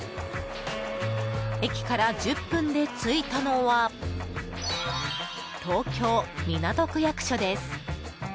駅から１０分で着いたのは東京・港区役所です。